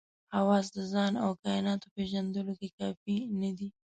حواس د ځان او کایناتو پېژندلو کې کافي نه دي.